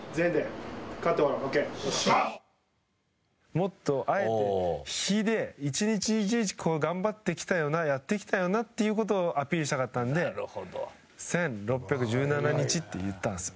もっとあえて日で１日１日この頑張ってきたよなやってきたよなということをアピールしたかったんで１６１７日って言ったんですよ。